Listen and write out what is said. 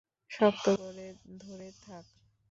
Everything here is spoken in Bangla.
শক্ত করে ধরে থাক!